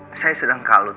saat itu saya sedang kalut